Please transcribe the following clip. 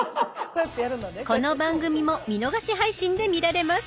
この番組も見逃し配信で見られます。